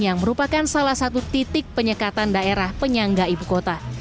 yang merupakan salah satu titik penyekatan daerah penyangga ibu kota